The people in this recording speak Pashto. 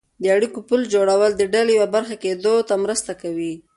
د اړیکو پل جوړول د ډلې یوه برخه کېدو ته مرسته کوي.